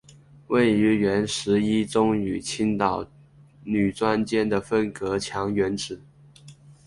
位于原十一中与青岛女专间的分隔墙原址。